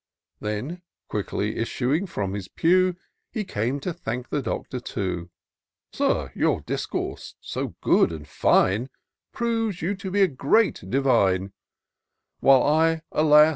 Then quickly issuing from his pew. He came to thank the Doctor too. Sir, your discourse, so good and fine, Proves you to be a great divine, While I, alas